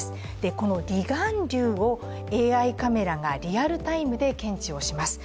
この離岸流をＡＩカメラがリアルタイムで検知をします。